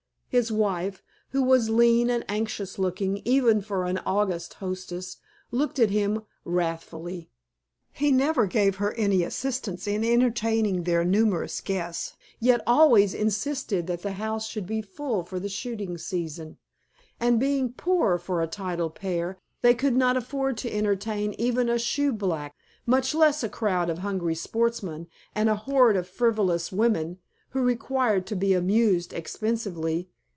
His wife, who was lean and anxious looking even for an August hostess, looked at him wrathfully. He never gave her any assistance in entertaining their numerous guests, yet always insisted that the house should be full for the shooting season. And being poor for a titled pair, they could not afford to entertain even a shoeblack, much less a crowd of hungry sportsmen and a horde of frivolous women, who required to be amused expensively.